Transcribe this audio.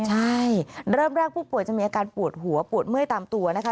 ใช่เริ่มแรกผู้ป่วยจะมีอาการปวดหัวปวดเมื่อยตามตัวนะคะ